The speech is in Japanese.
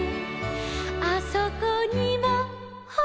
「あそこにもほら」